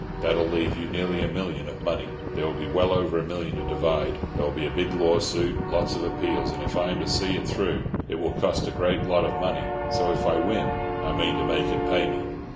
That'll leave you nearly a million of money. There will be well over a million to divide. There will be a big lawsuit, and lots of appeals, and if I am to see it through it will cost a great lot of money; so if I win I mean to make it pay me.